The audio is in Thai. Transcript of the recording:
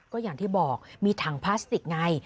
ก็อย่างที่บอกมีถังพลาสติกไง